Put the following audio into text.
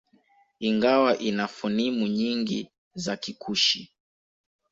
Ingawa ina fonimu nyingi za Kikushi